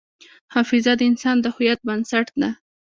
حافظه د انسان د هویت بنسټ ده.